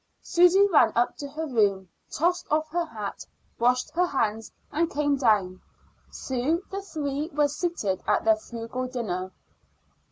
Susy ran up to her room, tossed off her hat, washed her hands, and came down. Soon the three were seated at their frugal dinner.